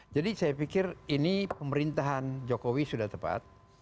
jadi saya pikir ini pemerintahan jokowi sudah tepat